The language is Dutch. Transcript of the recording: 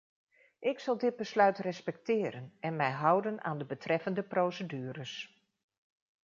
Ik zal dit besluit respecteren en mij houden aan de betreffende procedures.